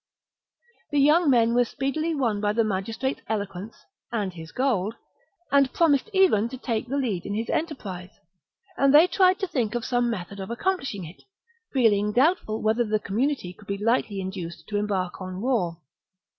The young men were speedily won by the magistrate's eloquence and his gold, and promised even to take the lead in his enterprise ; and they tried to think of some method of accomplishing it, feeling doubtful whether the community could be lightly induced to embark on war.